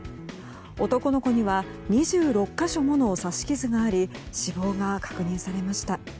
男の子には２６か所もの刺し傷があり死亡が確認されました。